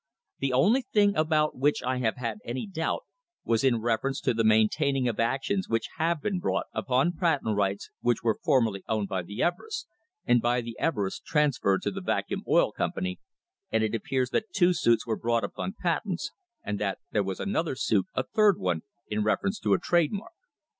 The only thing about which I have had any doubt was in reference to the maintaining of actions which have been brought upon patent rights which were formerly owned by the Everests, and by the Everests transferred to the Vacuum Oil Company, and it appears that two suits were brought upon patents, and that there was another suit, a third one, in reference to a trade mark.